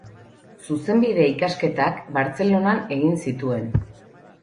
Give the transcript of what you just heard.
Zuzenbide ikasketak Bartzelonan egin zituen.